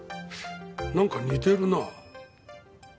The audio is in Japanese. なんか似てるなあ。